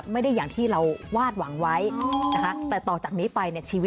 มีบวกและลบ